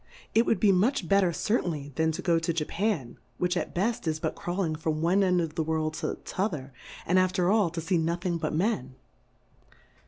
It would be much better cer tainly than to go to Jcifan^ which at beft, is but crawling from one end of the World to t'other, and after all to fee nothing but Men.